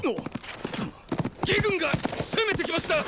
魏軍が攻めて来ました！